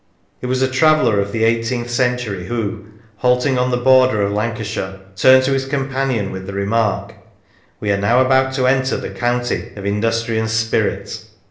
It was a traveller of the eighteenth century who, halting on the border of Lancashire, turned to his companion with the remark :" We are now about to enter the county of industry and spirit."